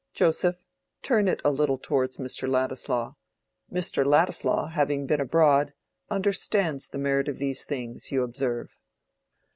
Joseph, turn it a little towards Mr. Ladislaw—Mr. Ladislaw, having been abroad, understands the merit of these things, you observe."